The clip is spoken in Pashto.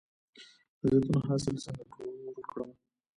د زیتون حاصل څنګه ټول کړم؟